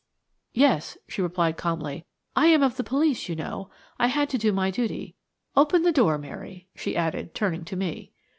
"Yes!" she replied calmly. "I am of the police, you know. I had to do my duty. Open the door, Mary," she added, turning to me.